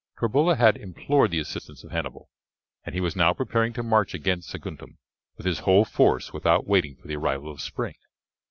Torbola had implored the assistance of Hannibal, and he was now preparing to march against Saguntum with his whole force without waiting for the arrival of spring.